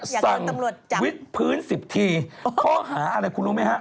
สั่งวิกพื้นสิบทีข้อหาอะไรคุณรู้ไหมฮะ